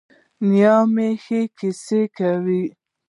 نیا مې ښه کیسې کولې.